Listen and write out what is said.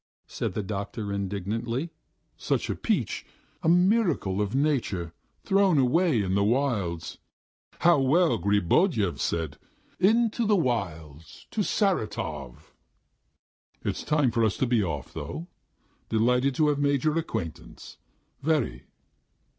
said the doctor indignantly. "Such a peach, a miracle of nature, thrown away in the wilds! How well Griboyedov said, 'Into the wilds, to Saratov'! It's time for us to be off, though. Delighted to have made your acquaintance ... very.